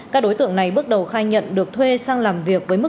các đối tượng này bước đầu khai nhận được thuê sang làm việc